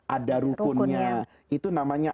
ada rukunnya itu namanya